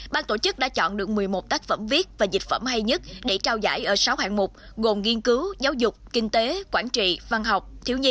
ban tổ chức đã chọn được một mươi một tác phẩm viết và dịch phẩm hay nhất để trao giải ở sáu hạng mục gồm nghiên cứu giáo dục kinh tế quản trị văn học thiếu nhi